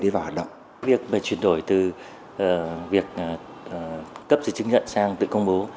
việc chuyển đổi từ việc cấp giấy chứng nhận sang tự công bố